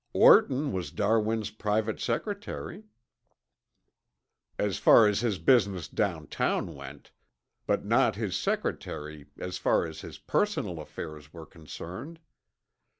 "Orton was Darwin's private secretary." "As far as his business down town went, but not his secretary, as far as his personal affairs were concerned.